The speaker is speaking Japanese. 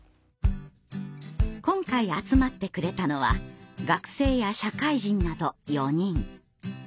今回集まってくれたのは学生や社会人など４人。